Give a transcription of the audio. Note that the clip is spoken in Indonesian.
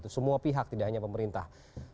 semua pihak tidak hanya pemerintah